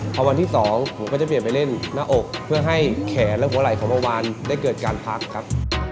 พอวันที่๒ผมก็จะเปลี่ยนไปเล่นหน้าอกเพื่อให้แขนและหัวไหล่ของเมื่อวานได้เกิดการพักครับ